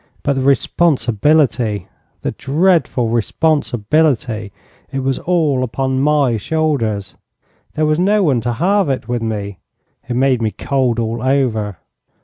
But the responsibility the dreadful responsibility! It was all upon my shoulders. There was no one to halve it with me. It made me cold all over.